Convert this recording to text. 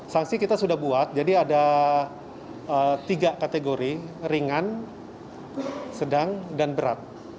sanksi kita sudah buat jadi ada tiga kategori ringan sedang dan berat